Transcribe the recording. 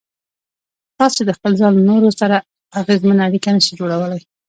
تاسې د خپل ځان له نورو سره اغېزمنه اړيکه نشئ جوړولای.